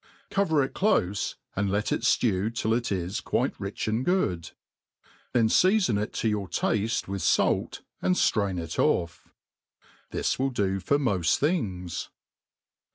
Cover it tlofe, and let it flew till it is quite rich and good ; then feafon' it to your tafte with fait, and ilrain it ofi^. This will do for mofl things.